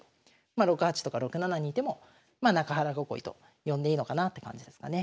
まあ６八とか６七にいても中原囲いと呼んでいいのかなって感じですかね。